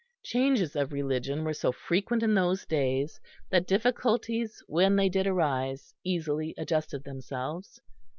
Changes of religion were so frequent in those days that difficulties, when they did arise, easily adjusted themselves.